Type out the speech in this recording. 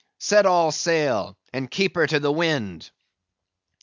Set all sail, and keep her to the wind!"